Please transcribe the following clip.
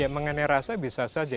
mengenai rasa bisa saja